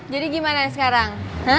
jadi gimana sekarang